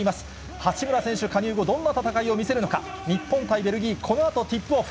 八村選手加入後、どんな戦いを見せるのか、日本対ベルギー、このあとキックオフ。